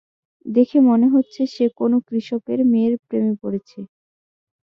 দেখে মনে হচ্ছে সে কোন কৃষকের মেয়ের প্রেমে পড়েছে।